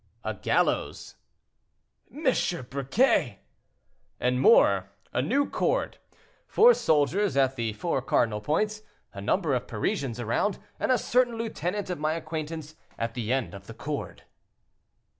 "A gallows." "M. Briquet!" "And more—a new cord, four soldiers at the four cardinal points, a number of Parisians around, and a certain lieutenant of my acquaintance at the end of the cord."